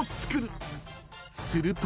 ［すると］